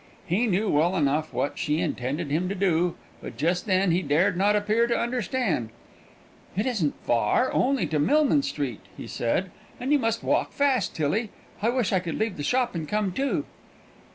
He knew well enough what she intended him to do; but just then he dared not appear to understand. "It isn't far, only to Millman Street," he said; "and you must walk fast, Tillie. I wish I could leave the shop and come too."